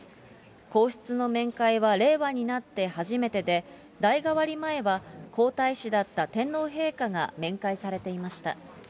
皇室の面会は令和になって初めてで、代替わり前は皇太子だった天皇陛下が面会されていました。